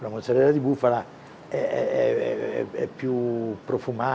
mozarella bufala lebih beras lebih enak